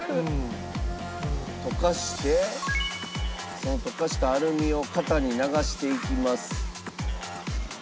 溶かしてその溶かしたアルミを型に流していきます。